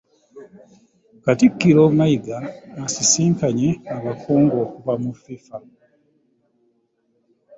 Katikkiro Mayiga asisinkanye abakungu okuva mu FIFA.